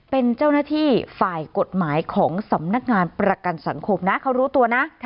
เป็นเจ้าหน้าที่ฝ่ายกฎหมายของสำนักงานประกันสังคมนะเขารู้ตัวนะ